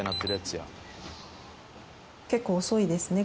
結構遅いですね